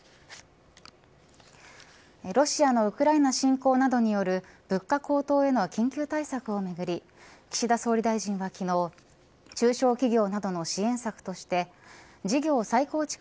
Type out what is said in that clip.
ロシアのウクライナ侵攻などによる物価高騰への緊急対策をめぐり岸田総理大臣は昨日中小企業などの支援策として事業再構築